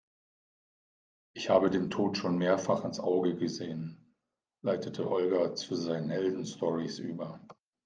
"Ich habe dem Tod schon mehrfach ins Auge gesehen", leitete Holger zu seinen Heldenstorys über.